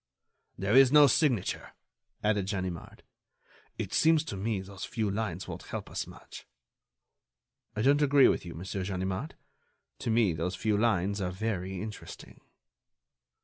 _" "There is no signature," added Ganimard. "It seems to me those few lines won't help us much." "I don't agree with you, Monsieur Ganimard. To me those few lines are very interesting."